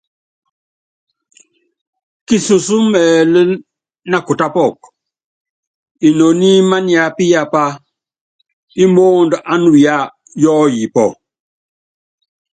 Kisunsɔ́ mɛ́ɛ́lɛ́ na kutápukɔ, inoni mániápíyapá ímóóndó ánuya yɔɔyipɔ.